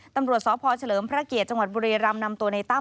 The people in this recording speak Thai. ตำรวจสพเฉลิมพระเกียรติจังหวัดบุรีรำนำตัวในตั้ม